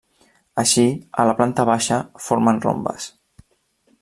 Així, a la planta baixa formen rombes.